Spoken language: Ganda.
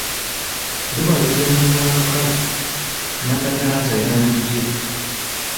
Luba lugendo lwa lukalu Nakatanza yandibbye!